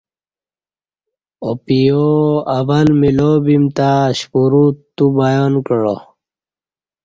اوپیا اول ملاؤ بیم تہ اشپورو تو بیان کعہ